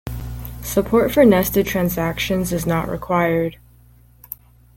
Support for nested transactions is not required.